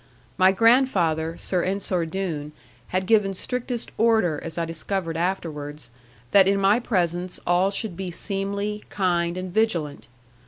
My grandfather, Sir Ensor Doone, had given strictest order, as I discovered afterwards, that in my presence all should be seemly, kind, and vigilant.